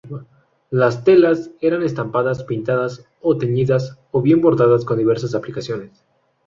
La telas eran estampadas, pintadas o teñidas, o bien bordadas con diversas aplicaciones.